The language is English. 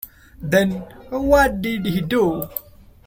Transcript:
Then what did he do?